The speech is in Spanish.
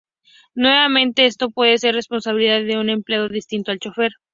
Nuevamente, esto puede ser responsabilidad de un empleado distinto al chofer.